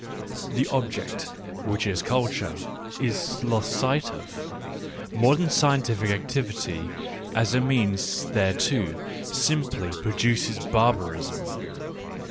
The object, which is culture, is lost sight of: modern scientific activity as a means thereto simply produces barbarism.